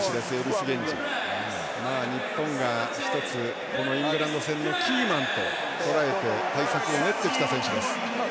日本が１つこのイングランド戦のキーマンととらえて対策を練ってきた選手です。